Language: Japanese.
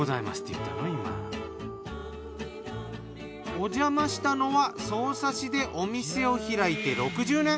おじゃましたのは匝瑳市でお店を開いて６０年。